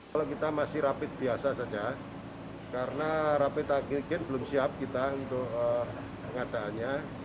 kalau kita masih rapi biasa saja karena rapi takir giris belum siap kita untuk pengadaannya